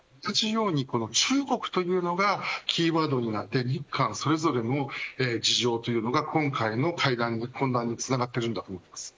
中国というのがキーワードになって日韓それぞれの事情というのが今回の懇談につながっていると思います。